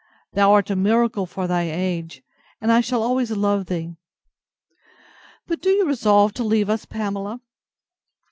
Thou art a miracle for thy age, and I shall always love thee.—But, do you resolve to leave us, Pamela?